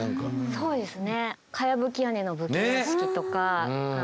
そうですね。